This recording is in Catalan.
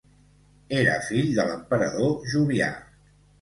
Era fill de l'emperador Jovià.